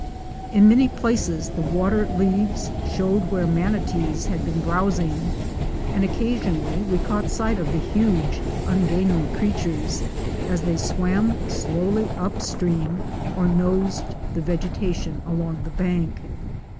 In many places the water leaves showed where manatees had been browsing, and occasionally we caught sight of the huge ungainly creatures, as they swam slowly up stream or nosed the vegetation along the bank.